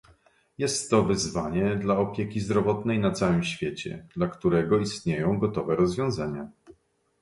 Jest to wyzwanie dla opieki zdrowotnej na całym świecie, dla którego istnieją gotowe rozwiązania